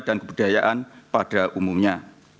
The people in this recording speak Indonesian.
dan kebudayaan pada umumnya